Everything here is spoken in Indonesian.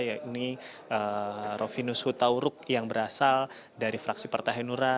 yakni rovinus hutauruk yang berasal dari fraksi partai hanura